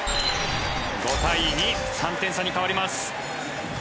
５対２、３点差に変わります。